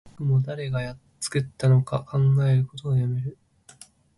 僕も誰が作ったのか考えることをやめる